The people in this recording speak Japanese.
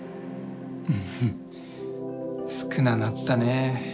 うん少ななったね。